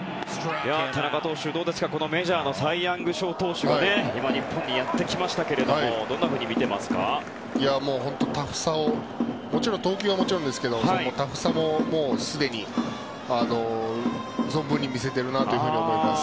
田中投手、どうですかメジャーのサイ・ヤング賞投手が今、日本にやってきましたけれども投球はもちろんですがタフさもすでに存分に見せているなと思います。